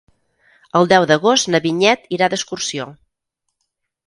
El deu d'agost na Vinyet irà d'excursió.